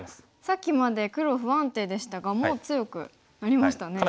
さっきまで黒不安定でしたがもう強くなりましたね。